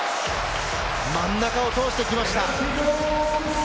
真ん中を通してきました。